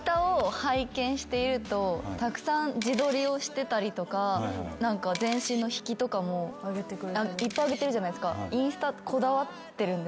しているとたくさん自撮りをしてたりとか全身の引きとかもいっぱいあげてるじゃないですか。